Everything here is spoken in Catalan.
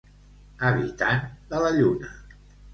Habitant de la lluna.